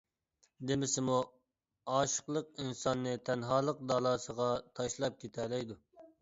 دېمىسىمۇ، ئاشىقلىق ئىنساننى تەنھالىق دالاسىغا تاشلاپ كېتەلەيدۇ.